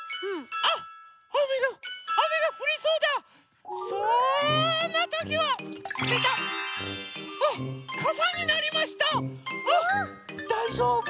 あっだいじょうぶもう。